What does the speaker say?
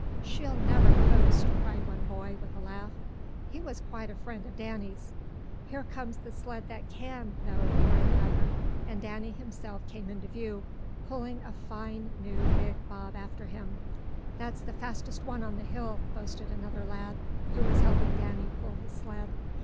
"She'll never coast!" cried one boy, with a laugh. He was quite a friend of Danny's. "Here comes the sled that can, though!" cried another, and Danny himself came into view, pulling a fine, new, big bob after him. "That's the fastest one on the hill," boasted another lad who was helping Danny pull his sled.